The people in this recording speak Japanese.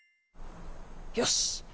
よし！